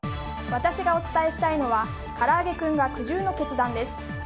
私がお伝えしたいのはからあげクンが苦渋の決断です。